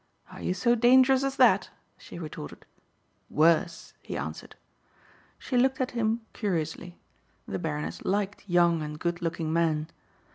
"Are you so dangerous as that?" she retorted. "Worse," he answered. She looked at him curiously. The Baroness liked young and good looking men.